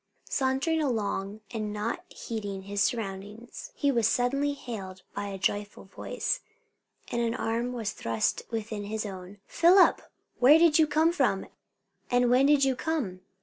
Sauntering along and not heeding his surroundings, he was suddenly hailed by a joyful voice, and an arm was thrust within his own. "Philip! where did you come from? and when did you come?"